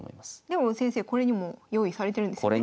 でも先生これにも用意されてるんですよね？